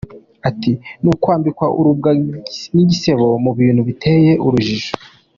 Ati “Ni ukwambikwa urubwa n’igisebo mu bintu biteye urujijo.